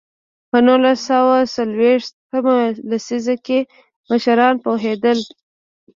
په نولس سوه څلوېښت مه لسیزه کې مشران پوهېدل.